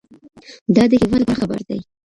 دا د هېواد لپاره ښه خبر دی